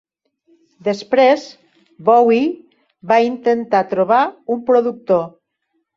Després, Bowie va intentar trobar un productor.